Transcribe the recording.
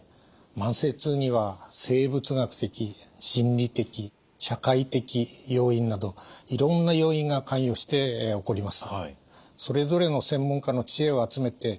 慢性痛には生物学的心理的社会的要因などいろんな要因が関与して起こります。